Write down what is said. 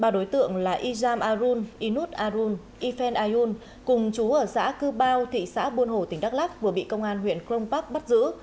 ba đối tượng là ijam arun inut arun ifen ayun cùng chú ở xã cư bao thị xã buôn hồ tỉnh đắk lắk vừa bị công an huyện krong pak bắt giữ